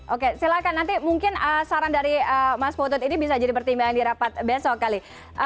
oke silahkan nanti mungkin saran dari mas putut ini bisa jadi pertimbangan di rapat besok kali